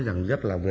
làm gì ở đâu